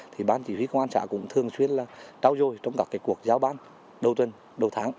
thì bán chỉ huy công an xã cũng thường xuyên trao dôi trong các cuộc giao bán đầu tuần đầu tháng